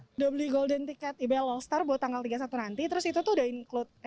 udah beli golden ticket ibl all star buat tanggal tiga puluh satu nanti terus itu tuh udah include